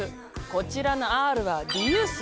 こちらのＲはリユース！